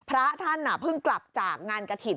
พระท่านเพราะเริ่มกลับจากงานกถิ่น